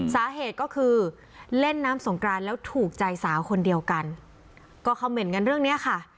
สาเหตุก็คือเล่นน้ำสงกรานแล้วถูกใจสาวคนเดียวกันก็คอมเมนต์กันเรื่องนี้ค่ะ